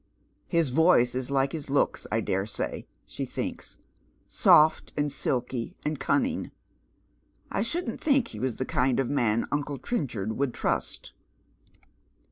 " His voice is like his looks, I dare say," she thinks, " soft, and silky, and cunning. I shouldn't think he was the kind of man uncle Trenchard woukl trust."